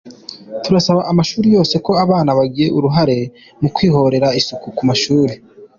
Turasaba amashuri yose ko abana bagira uruhare mu kwikorera isuku ku mashuri.